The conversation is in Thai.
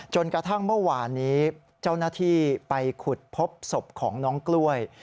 จนกระทั่งเมื่อวานนี้เจ้าหน้าที่ไปขุดพบศพของน้องกล้วย